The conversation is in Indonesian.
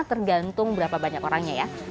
tergantung berapa banyak orangnya